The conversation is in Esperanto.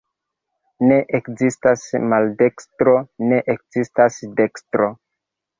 Ne ekzistas maldekstro, ne ekzistas dekstro.